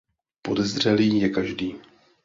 Podezřelý je každý.